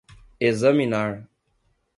examinar